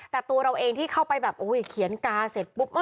แต่ตัวเราเองที่เข้าไปแบบเขียนกาเสร็จปุ๊บ